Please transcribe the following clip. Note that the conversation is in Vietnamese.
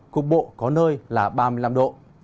cục bộ có nơi là ba mươi năm độ